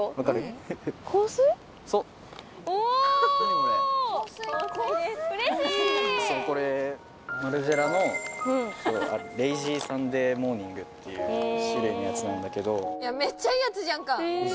そうそうこれＭａｒｇｉｅｌａのレイジーサンデーモーニングっていう種類のやつなんだけど嘘？